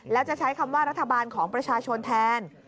แล้วจะใช้คำว่ารัฐบาลของประชาชนแทน